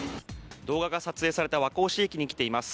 動画が撮影された和光市駅に来ています。